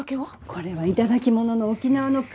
これは頂き物の沖縄の古酒。